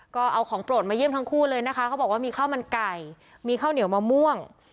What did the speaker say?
ก็เอาของโปรดมาเยี่ยมทั้งคู่เลยนะคะเขาบอกว่ามีข้าวมันไก่มีข้าวเหนียวมะม่วง